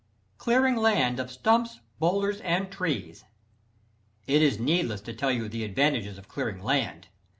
= Clearing Land of Stumps, Boulders and Trees. It is needless to tell you the advantages of clearing land.